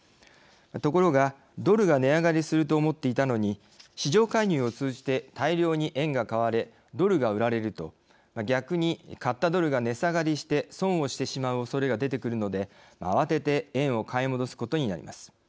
ところがドルが値上がりすると思っていたのに市場介入を通じて大量に円が買われドルが売られると逆に、買ったドルが値下がりして損をしてしまうおそれが出てくるので慌てて円を買い戻すことになります。